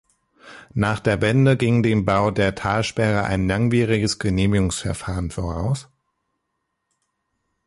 Nach der Wende ging dem Bau der Talsperre ein langwieriges Genehmigungsverfahren voraus.